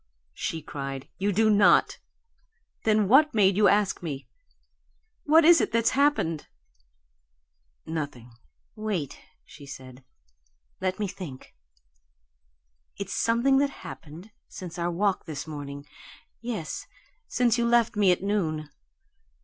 "No!" she cried. "You do not. Then what made you ask me? What is it that's happened?" "Nothing." "Wait," she said. "Let me think. It's something that happened since our walk this morning yes, since you left me at noon.